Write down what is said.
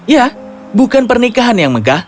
ya bukan pernikahan yang megah